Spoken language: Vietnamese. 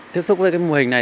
tiếp xúc với cái mô hình này